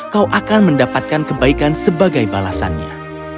kau akan mendapatkan kebaikan sebagai balasannya